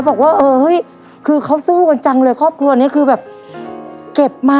บอกว่าเออเฮ้ยคือเขาสู้กันจังเลยครอบครัวนี้คือแบบเก็บมา